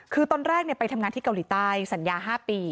คือตอนแรกไปทำงานที่เกาหลีใต้สัญญา๕ปี